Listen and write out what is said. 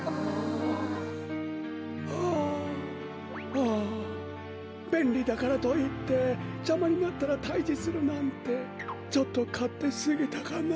ああべんりだからといってじゃまになったらたいじするなんてちょっとかってすぎたかな。